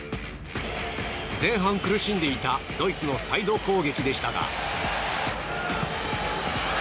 前半苦しんでいたドイツのサイド攻撃でしたが。